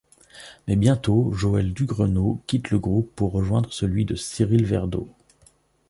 Mais bientôt Joël Dugrenot quitte le groupe pour rejoindre celui de Cyrille Verdeaux.